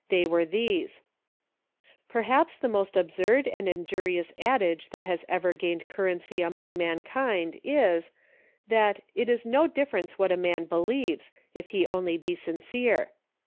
They were these : "Perhaps the most absurd and injurious adage that has ever gained currency among mankind is, that 'it is no difference what a man believes, if he only be sincere.'